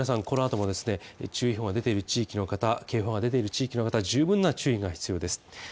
この後もですね、注意報が出ている地域の方警報が出ている地域の方は十分な注意が必要です。